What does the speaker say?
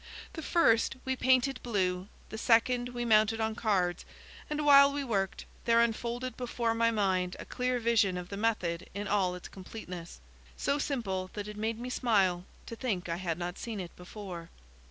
The first, we painted blue, the second, we mounted on cards, and, while we worked, there unfolded before my mind a clear vision of the method in all its completeness, so simple that it made me smile to think I had not seen it before.